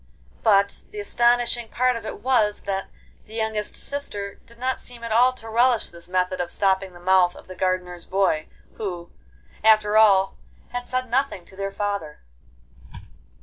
But the astonishing part of it was that the youngest sister did not seem at all to relish this method of stopping the mouth of the gardener's boy, who, after all, had said nothing to their father.